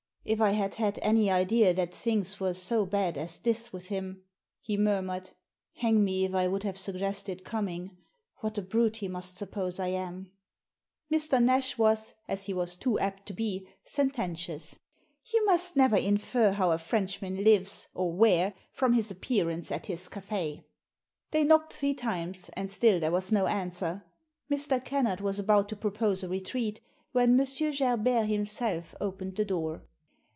" If I had had any idea that things were so bad as this with him," he murmured, "hang me if I would have suggested coming. What a brute he must suppose I am." Mr. Nash was, as he was too apt to be, sententious. Digitized by VjOOQIC i84 THE SEEN AND THE UNSEEN "You must never infer how a Frenchman lives, or where, from his appearance at his caf6." They knocked three times, and still there was no answer. Mr. Kennard was about to propose a re treat when M. Gerbert himself opened the door.